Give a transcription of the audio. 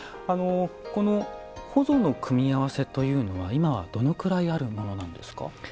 ほぞの組み合わせというのは今は、どのくらいあるものなんですか？